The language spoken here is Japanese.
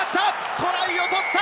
トライを取った！